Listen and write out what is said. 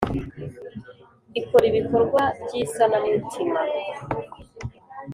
Ikora ibikorwa by’ isanamitima.